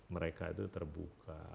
mereka itu terbuka